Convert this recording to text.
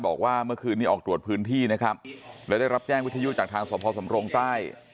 บอกว่าเมื่อคืนนี้ออกตรวจพื้นที่นะครับและได้รับแจ้งวิทยุจากทางสมภสำรงใต้